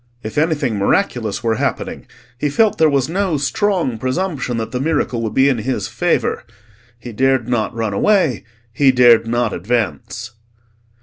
If anything miraculous were happening, he felt there was no strong presumption that the miracle would be in his favour. He dared not run away; he dared not advance.